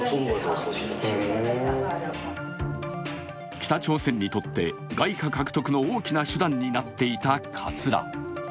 北朝鮮にとって外貨獲得の大きな手段になっていた、かつら。